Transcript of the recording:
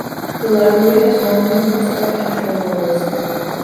The library has won numerous architectural awards.